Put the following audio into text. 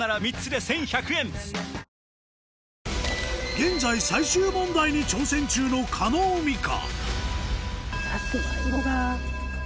現在最終問題に挑戦中の叶美香